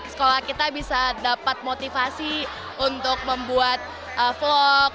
sekolah kita bisa dapat motivasi untuk membuat vlog